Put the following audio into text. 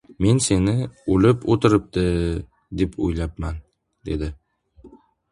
— Men seni o‘lib o‘tiribdi, deb o‘ylabman, — dedi.